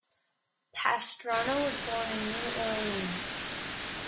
Pastrano was born in New Orleans.